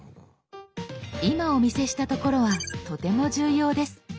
今お見せしたところはとても重要です。